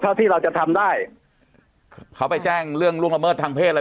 ที่เราจะทำได้เขาไปแจ้งเรื่องล่วงละเมิดทางเพศอะไร